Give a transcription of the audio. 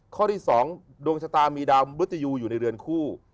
ข้อที่๒ดวงชะตามีดาวมรุตยูอยู่ในเรือนคู่